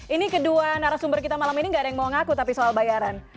ini kedua narasumber kita malam ini gak ada yang mau ngaku tapi soal bayaran